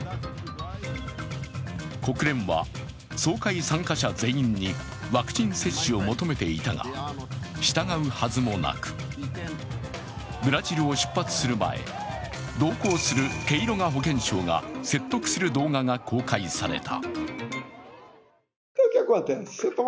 国連は、総会参加者全員にワクチン接種を求めていたが従うはずもなくブラジルを出発する前、同行するケイロガ保健相が説得する動画が公開された。